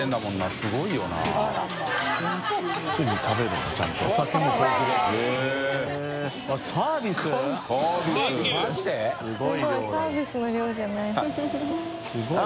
すごいサービスの量じゃない。